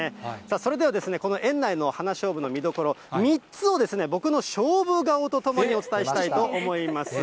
それでは、この園内の花しょうぶの見どころ、３つをですね、僕の勝負顔とともにお伝えしたいと思います。